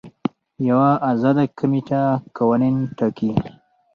یوه ازاده کمیټه قوانین ټاکي.